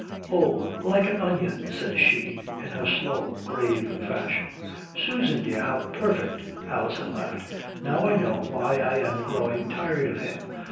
"Oh. Like an onion," says she, in her slow, grave fashion. "Susan dear! How perfect," Alison laughed. "Now I know why I am growing tired of him.